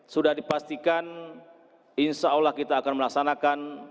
sudah dipastikan insyaallah kita akan melaksanakan